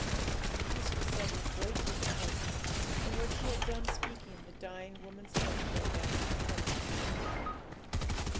This was said with great difficulty, and, when she had done speaking, the dying woman's head fell back on the pillow.